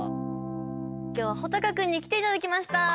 今日はほたかくんに来て頂きました。